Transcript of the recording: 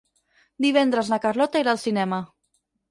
Divendres na Carlota irà al cinema.